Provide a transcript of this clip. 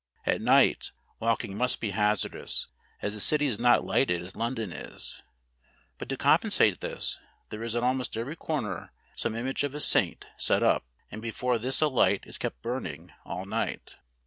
At night, walking must be hazardous; as the city is not lighted as London is: but to compensate this, there is at almost every corner some image of a Saint set up, and before this a light is kept burning all night.